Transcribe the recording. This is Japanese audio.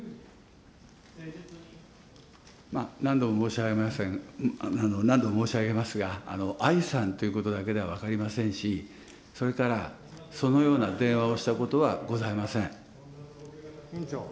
何度も申し上げますが、Ｉさんということだけでは分かりませんし、それからそのような電話をしたことはございません。